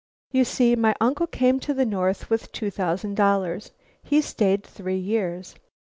"You see, my uncle came to the North with two thousand dollars. He stayed three years.